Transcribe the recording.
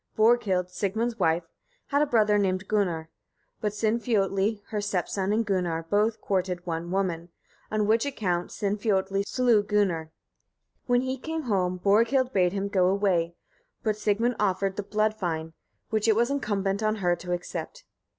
Borghild, Sigmund's wife, had a brother named Gunnar; but Sinfiotli her stepson and Gunnar both courted one woman, on which account Sinfiotli slew Gunnar. When he came home, Borghild bade him go away, but Sigmund offered the blood fine, which it was incumbent on her to accept.